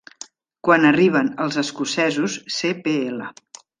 Quan arriben els escocesos, Cpl.